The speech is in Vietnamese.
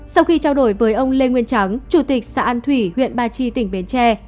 sau khi trao đổi với ông lê nguyên trắng chủ tịch xã an thủy huyện ba chi tỉnh bến tre